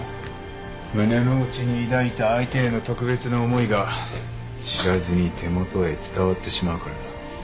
胸の内に抱いた相手への特別な思いが知らずに手元へ伝わってしまうからだ。